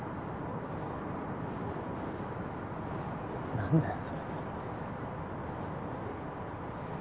何だよそれ